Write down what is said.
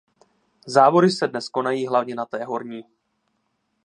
Závody se dnes konají hlavně na té horní.